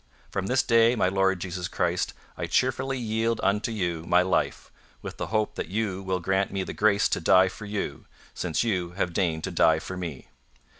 From this day, my Lord Jesus Christ, I cheerfully yield unto You my life, with the hope that You will grant me the grace to die for You, since You have deigned to die for me.